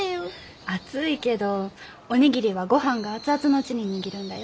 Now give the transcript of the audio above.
熱いけどお握りはごはんが熱々のうちに握るんだよ。